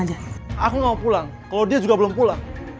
aku gak mau pulang kalo dia juga belum pulang